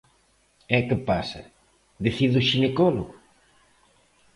E ¿que pasa?, ¿decide o xinecólogo?